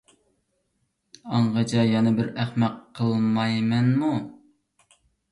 ئاڭغىچە يەنە بىر ئەخمەق قىلمايمەنمۇ!